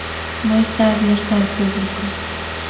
No está abierta al público.